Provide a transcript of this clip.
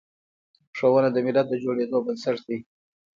ښوونه د ملت د جوړیدو بنسټ دی.